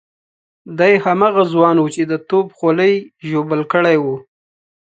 دی هماغه ځوان وو چې د توپ خولۍ ژوبل کړی وو.